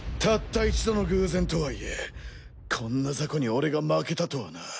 たった一度の偶然とはいえこんなザコに俺が負けたとはな。